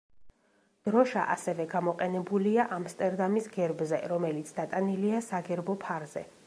დროშა ასევე გამოყენებულია ამსტერდამის გერბზე, რომელიც დატანილია საგერბო ფარზე.